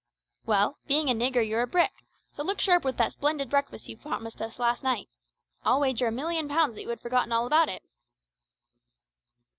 "Well, being a nigger you're a brick, so look sharp with that splendid breakfast you promised us last night. I'll wager a million pounds that you had forgotten all about it."